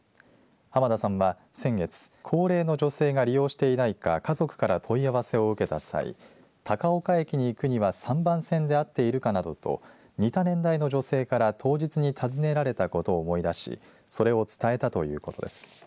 濱田さんは先月高齢の女性が利用していないか家族から問い合わせを受けた際高岡駅に行くには３番線で合っているかなどと似た年代の女性から当日に尋ねられたことを思い出しそれを伝えたということです。